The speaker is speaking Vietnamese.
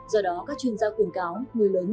do đó các chuyên gia khuyên cáo người lớn